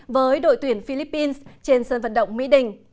với đội tuyển philippines trên sân vận động mỹ đình